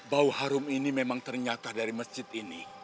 bau harum ini memang ternyata dari masjid ini